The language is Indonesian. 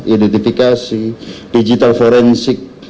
identifikasi digital forensik